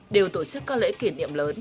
đều tổ chức các lễ kỷ niệm lớn